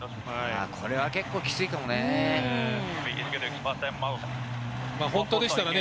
これは結構きついかもね。